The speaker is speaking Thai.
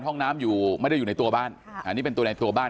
ห้องน้ำอยู่ไม่ได้อยู่ในตัวบ้านอันนี้เป็นตัวในตัวบ้าน